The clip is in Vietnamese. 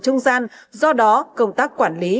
trung gian do đó công tác quản lý